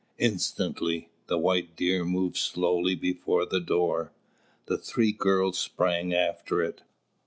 Instantly, the white deer moved slowly before the door. The three girls sprang after it.